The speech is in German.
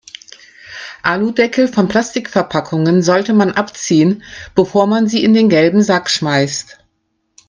Aludeckel von Plastikverpackungen sollte man abziehen, bevor man sie in den gelben Sack schmeißt.